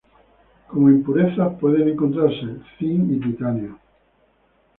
Como impurezas pueden encontrarse zinc y titanio.